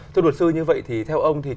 thưa luật sư như vậy thì theo ông thì